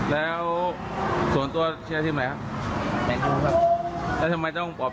แล้วพอนักชิงเชมเป้นลีกถ้าแพ้อีกครับ